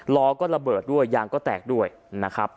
ล้อก็ระเบิดด้วยยางก็แตกด้วยนะครับ